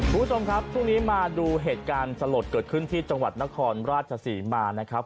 คุณผู้ชมครับช่วงนี้มาดูเหตุการณ์สลดเกิดขึ้นที่จังหวัดนครราชศรีมานะครับ